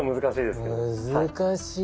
難しいな。